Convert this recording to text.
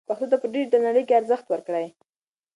پښتو ته په ډیجیټل نړۍ کې ارزښت ورکړئ.